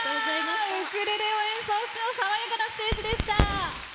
ウクレレを演奏しての爽やかなステージでした！